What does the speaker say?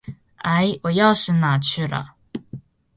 哎，我钥匙哪儿去了？